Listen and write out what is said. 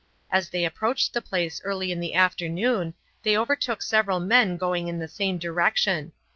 As they approached the place early in the afternoon they overtook several men going in the same direction.